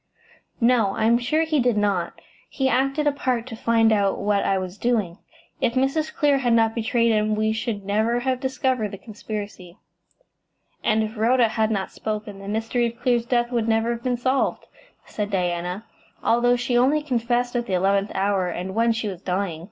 "No; I am sure he did not. He acted a part to find out what I was doing. If Mrs. Clear had not betrayed him we should never have discovered the conspiracy." "And if Rhoda had not spoken, the mystery of Clear's death would never have been solved," said Diana, "although she only confessed at the eleventh hour, and when she was dying."